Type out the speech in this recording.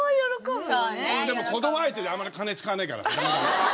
でも子供相手じゃあんまり金使わないから。